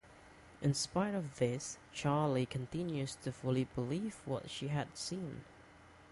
In spite of this Charlie continues to fully believe what she had seen.